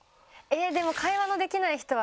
でも。